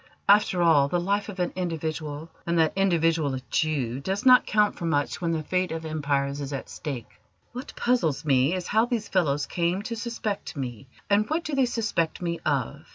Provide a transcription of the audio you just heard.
After all, the life of an individual, and that individual a Jew, does not count for much when the fate of empires is at stake. What puzzles me is how these fellows came to suspect me, and what do they suspect me of.